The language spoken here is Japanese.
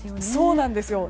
そうなんですよ。